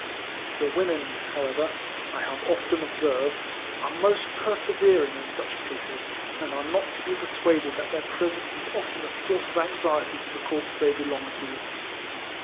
The women, however, I have often observed, are most persevering in such cases, and are not to be persuaded that their presence is often a source of anx iety to the corps they belong to.